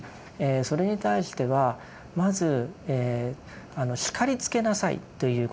それに対してはまず叱りつけなさいという言葉が出てきます。